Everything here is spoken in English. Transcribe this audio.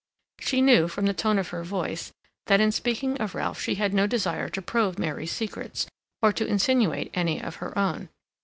She knew, from the tone of her voice, that in speaking of Ralph she had no desire to probe Mary's secrets, or to insinuate any of her own.